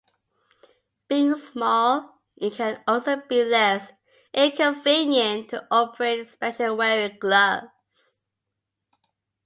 Being small, it can also be less convenient to operate, especially wearing gloves.